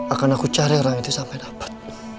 aku akan cari orang itu sampai dapat